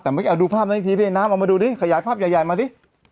แต่ไม่เอาดูภาพนั้นอีกทีดินะเอามาดูดิขยายภาพใหญ่มาดิ